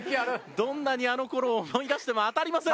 どんなにあの頃を思い出しても当たりません。